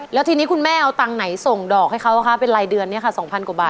แล้วทีนี้คุณแม่เอาตังค์ไหนส่งดอกให้เขาเป็นรายเดือนเนี่ยค่ะ๒๐๐กว่าบาท